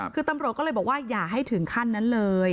คือตำรวจก็เลยบอกว่าอย่าให้ถึงขั้นนั้นเลย